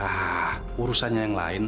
ah urusannya yang lainnya